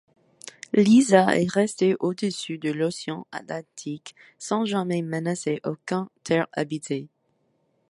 Lisa est resté au-dessus de l'Océan Atlantique sans jamais menacer aucun terre habitée.